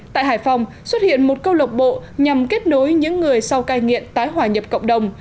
tại hải phòng xuất hiện một câu lộc bộ nhằm kết nối những người sau cai nghiện tái hòa nhập cộng đồng